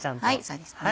そうですね